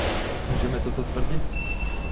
Můžeme toto tvrdit?